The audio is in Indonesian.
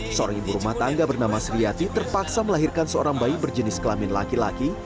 seorang ibu rumah tangga bernama sri yati terpaksa melahirkan seorang bayi berjenis kelamin laki laki